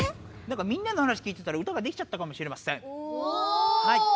なんかみんなの話聞いてたら歌ができちゃったかもしれません。